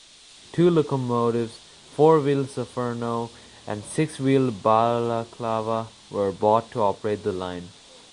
Two locomotives, four-wheeled Solferino and six-wheeled Balaklava were bought to operate the line.